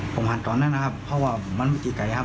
ผมหั่นตอนนั้นนะคะเพราะว่าผมมันไม่จี๋ไกรครับ